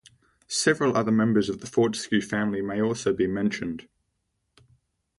Several other members of the Fortescue family may also be mentioned.